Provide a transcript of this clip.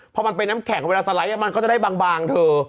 พอมันเป็นน้ำแข็งเวลาสไลด์มันก็จะได้บางเธอ